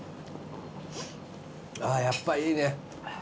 あぁやっぱいいね。